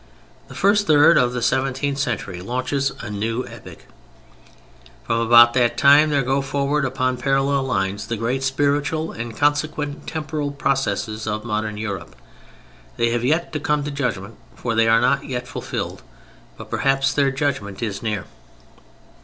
The first third of the seventeenth century launches a new epoch. From about that time there go forward upon parallel lines the great spiritual and consequent temporal processes of modern Europe. They have yet to come to judgment, for they are not yet fulfilled: but perhaps their judgment is near.